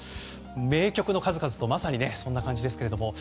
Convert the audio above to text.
名曲の数々とまさにそんな感じですけど。